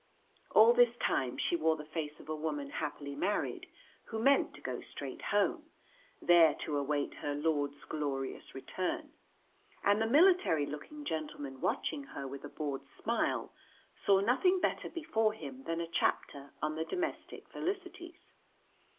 All this time she wore the face of a woman happily married who meant to go straight home, there to await her lord's glorious return; and the military looking gentleman watching her with a bored smile saw nothing better before him than a chapter on the Domestic Felicities.